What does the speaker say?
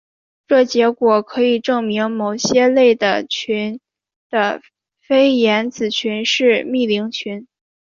这结果可以证明某些类的群的菲廷子群是幂零群。